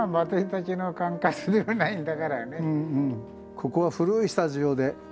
ここは古いスタジオで。